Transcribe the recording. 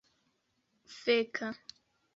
feka